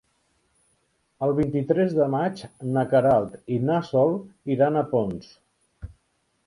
El vint-i-tres de maig na Queralt i na Sol iran a Ponts.